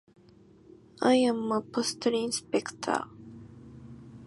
I am a postal inspector.